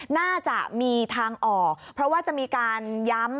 น่าจะมีทางออกเพราะว่าจะมีการย้ำ